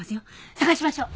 捜しましょう！